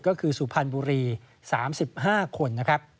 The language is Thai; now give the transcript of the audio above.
ก็คือสุพรรณบุรี๓๕คน